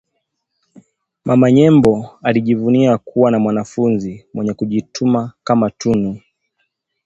Mama Nyembo alijivunia kuwa na mwanafunzi mwenye kujituma kama Tunu